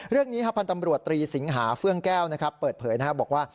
เรื่องนี้พันธ์ตำรวจตรีสิงหาเฟื่องแก้วเปิดเผยนะครับบอกว่า